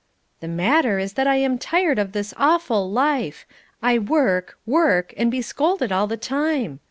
"The matter is that I am tired of this awful life. I work, work, and be scolded all the time.